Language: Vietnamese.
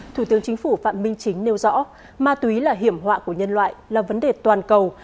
thủ tướng chính phủ phạm minh chính nêu rõ ma túy là hiểm họa của nhân loại là vấn đề toàn cầu